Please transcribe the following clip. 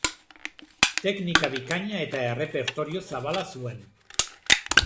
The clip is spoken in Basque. Teknika bikaina eta errepertorio zabala zuen.